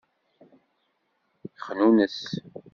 Xnunes.